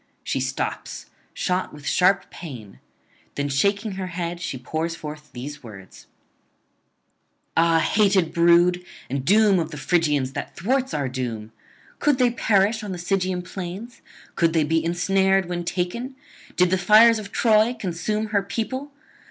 She stops, shot with sharp pain; then shaking her head, she pours forth these words: 'Ah, hated brood, and doom of the Phrygians that thwarts our doom! Could they perish on the Sigean [295 326]plains? Could they be ensnared when taken? Did the fires of Troy consume her people?